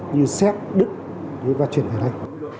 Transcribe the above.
như xét đứt và chuyển về đây